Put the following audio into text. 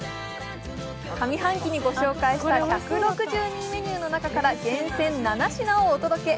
上半期にご紹介した１６２メニューの中から厳選７品をお届け。